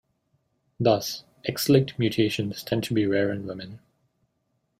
Thus, X-linked mutations tend to be rare in women.